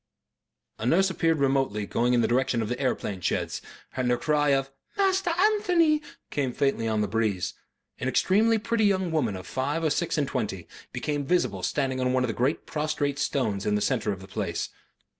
A nurse appeared remotely going in the direction of the aeroplane sheds, and her cry of "Master Anthony" came faintly on the breeze. An extremely pretty young woman of five or six and twenty became visible standing on one of the great prostrate stones in the centre of the place.